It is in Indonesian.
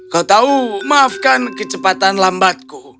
kau tahu maafkan kecepatan lambatku